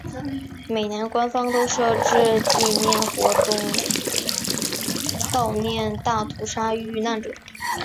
每年官方都设置纪念活动悼念大屠杀遇难者。